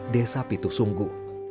desa pitu sunggu